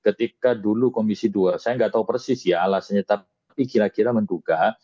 ketika dulu komisi dua saya nggak tahu persis ya alasannya tapi kira kira menduga